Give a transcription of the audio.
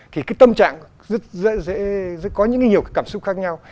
thì tâm trạng có nhiều cảm xúc khác nhau